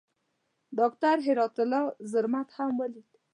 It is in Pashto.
ډاکټر هرات الله زرمت هم ولید.